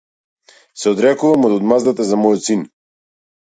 Се одрекувам од одмаздата за мојот син.